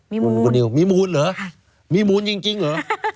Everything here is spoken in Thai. มีมูลมีมูลเหรอมีมูลจริงเหรอ